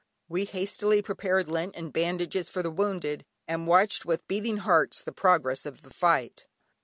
We hastily prepared lint and bandages for the wounded, and watched with beating hearts the progress of the fight.